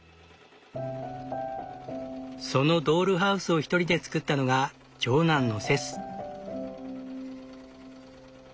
そのドールハウスを１人で作ったのが長男のセス。